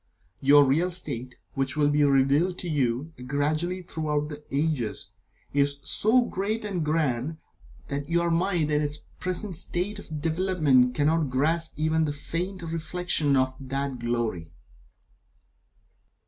Your real state, which will be revealed to you, gradually, throughout the ages, is so great and grand, that your mind in its present state of development cannot grasp even the faint reflection of that glory.